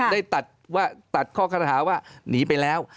ได้ตัดข้อคารหาว่าหนีไปแล้ว